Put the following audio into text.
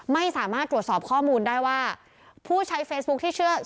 ไม่สามารถตรวจสอบข้อมูลได้ว่าผู้ใช้เฟซบุ๊คที่เชื่อ